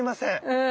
うん。